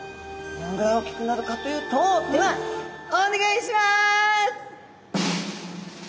どんぐらいおっきくなるかというとではお願いします！